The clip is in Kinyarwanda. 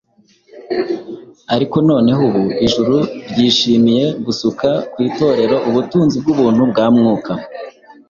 ariko noneho ubu Ijuru ryishimiye gusuka ku Itorero ubutunzi bw’ubuntu bwa Mwuka,